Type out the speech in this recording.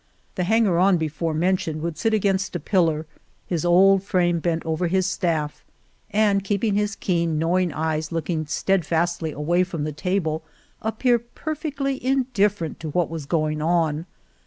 The hanger on before mentioned would sit against a pillar, his old frame bent over his staff, and, keeping his keen, knowing eyes looking steadfastly away from the table, appear perfectly indifferent to what was going on.